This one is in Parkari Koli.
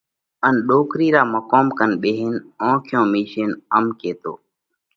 ان ڏوڪرِي را مقوم ڪنَ ٻيهينَ اونکيون مِيشينَ ام ڪيتو: